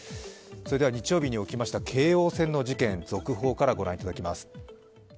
日曜日に起きました京王線の事件、続報から御覧いただきます。